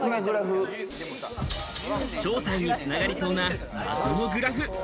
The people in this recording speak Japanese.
正体に繋がりそうな謎のグラフ。